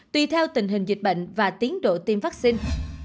tùy theo tình hình dịch bệnh và tiến độ tiêm vaccine